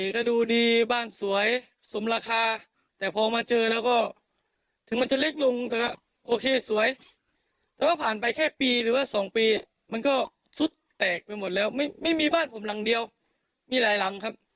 ซุดแตกไปหมดแล้วไม่มีบ้านผมหลังเดียวมีหลายหลังครับ